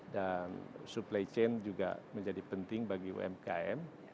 dan supply chain juga menjadi penting bagi umkm